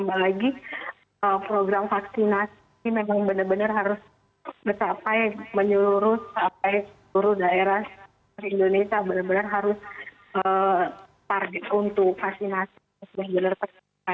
benar benar harus target untuk poinnya